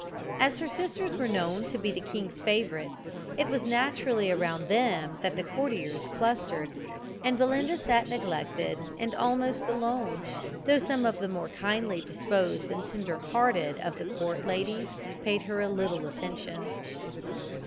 As her sisters were known to be the king's favourites, it was naturally around them that the courtiers clustered, and Belinda sat neglected, and almost alone, though some of the more kindly disposed and tender hearted of the court ladies paid her a little attention.